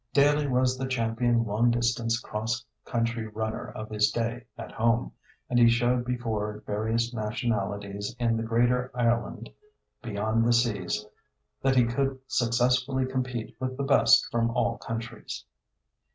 Daly was the champion long distance cross country runner of his day at home, and he showed before various nationalities in the Greater Ireland beyond the seas that he could successfully compete with the best from all countries.